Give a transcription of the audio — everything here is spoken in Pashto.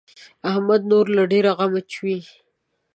احمد نور له ډېره غمه چويي.